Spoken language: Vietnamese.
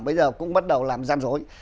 bây giờ cũng bắt đầu làm gian rối